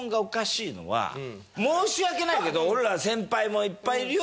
申し訳ないけど俺ら先輩もいっぱいいるよ